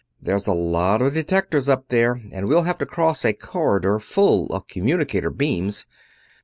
There's a lot of detectors up there, and we'll have to cross a corridor full of communicator beams.